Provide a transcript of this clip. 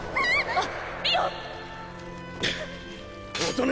あっ！